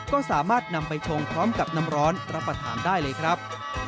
ก็สามารถนำไปชงพร้อมกับน้ำร้อนรับประทานได้เลยครับ